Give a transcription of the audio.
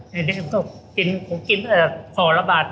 ในเด็กผมก็กินผมกินตั้งแต่ขอละบาท